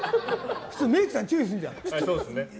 普通メイクさん、注意するじゃん。